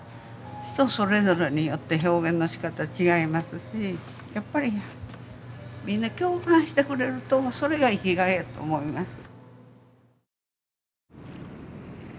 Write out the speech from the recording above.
人それぞれによって表現のしかたは違いますしやっぱりみんな共感してくれるとそれが生きがいやと思います。